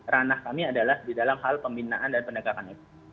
ranah kami adalah di dalam hal pembinaan dan pendagangan